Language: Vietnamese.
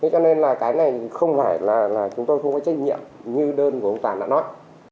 cho nên là cái này không phải là chúng tôi không có trách nhiệm như đơn của ông toàn đã nói